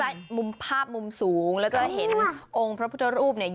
แล้วก็ได้มุมภาพมุมสูงแล้วจะเห็นองค์พระภุตรอูปเนี้ย